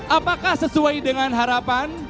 apakah sesuai dengan harapan